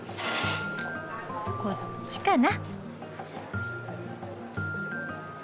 こっちかな。